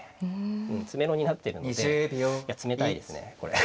詰めろになってるのでいや冷たいですねこれ。